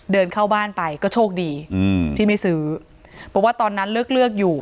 เดินเข้าบ้านไปก็โชคดีอืมที่ไม่ซื้อบอกว่าตอนนั้นเลือกเลือกอยู่